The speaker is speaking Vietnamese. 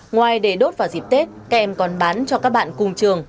ngoài để đốt vào dịp tết các em còn bán cho các bạn cùng trường